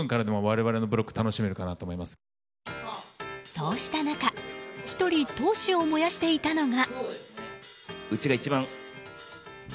そうした中１人、闘志を燃やしていたのが。